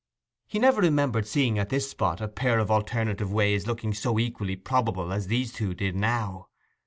He never remembered seeing at this spot a pair of alternative ways looking so equally probable as these two did now.